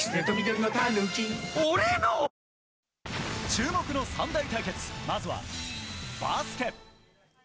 注目の３大対決、まずはバスケ。